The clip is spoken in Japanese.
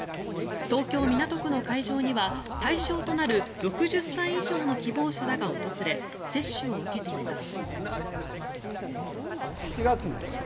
東京・港区の会場には対象となる６０歳以上の希望者らが訪れ接種を受けています。